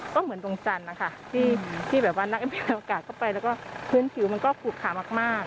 ก็เหมือนตรงที่นักแอุกาสเข้าไปและพื้นผิวมันก็ขูกขามาก